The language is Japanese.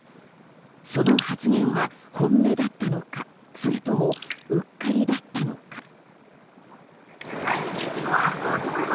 その発言は本音だったのかそれともうっかりだったのか。